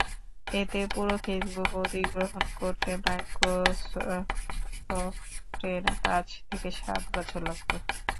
এতে পুরো ফেসবুক অধিগ্রহণ করতে মাইক্রোসফটের পাঁচ থেকে সাত বছর লাগত।